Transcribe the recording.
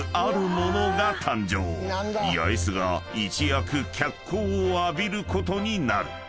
［八重洲が一躍脚光を浴びることになる］